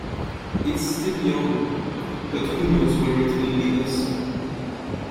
It's still young, but who knows where it will lead us.